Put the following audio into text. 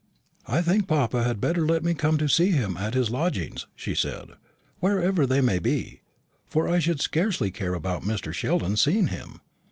"I think papa had better let me come to see him at his lodgings," she said, "wherever they may be; for I should scarcely care about Mr. Sheldon seeing him.